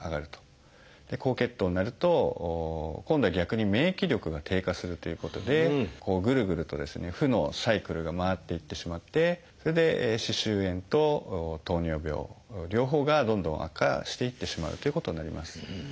高血糖になると今度は逆に免疫力が低下するということでぐるぐるとですね負のサイクルが回っていってしまってそれで歯周炎と糖尿病両方がどんどん悪化していってしまうということになります。